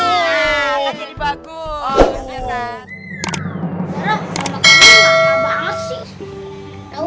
sekarang sama kamu gak ada banget sih